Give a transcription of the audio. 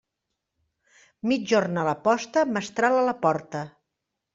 Migjorn a la posta, mestral a la porta.